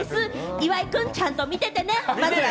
岩井くん、ちゃんと見ていてね。